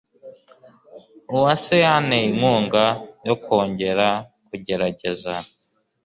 Uwase yanteye inkunga yo kongera kugerageza.